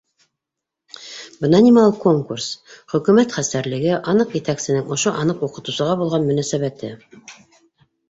Бына нимә ул конкурс, Хөкүмәт хәстәрлеге, аныҡ етәксенең ошо аныҡ уҡытыусыға булған мөнәсәбәте.